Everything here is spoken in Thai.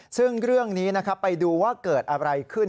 ซึ่งเรื่องนี้นะครับไปดูว่าเกิดอะไรขึ้น